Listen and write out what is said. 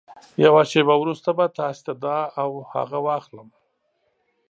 يوه شېبه وروسته به تاسې ته دا او هغه واخلم.